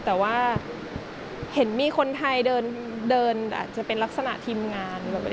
แต่ว่าเห็นมีคนไทยเดินอาจจะเป็นลักษณะทีมงาน